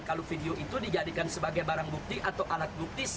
kalau video itu dijadikan sebagai barang bukti atau alat bukti